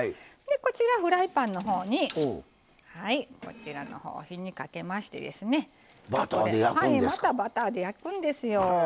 こちらフライパンのほうに火にかけましてまたバターで焼くんですよ。